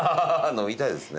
飲みたいですね。